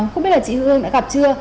không biết là chị hương đã gặp chưa